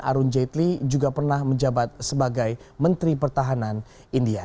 arun jaitle juga pernah menjabat sebagai menteri pertahanan india